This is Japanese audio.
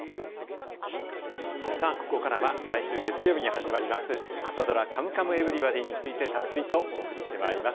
さあここからは来週月曜日に始まります、朝ドラ、カムカムエヴリバディについてたっぷりとお送りしてまいります。